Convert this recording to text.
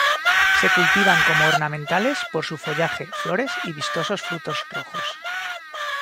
Se cultivan como ornamentales por su follaje, flores, y vistosos frutos rojos.